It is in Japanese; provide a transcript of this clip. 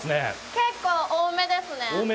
結構多めですね。